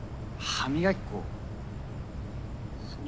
歯磨き粉？